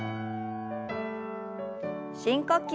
深呼吸。